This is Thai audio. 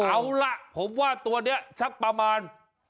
เอาล่ะผมว่าตัวนี้สักประมาณ